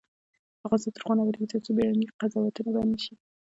افغانستان تر هغو نه ابادیږي، ترڅو بیړني قضاوتونه بند نشي.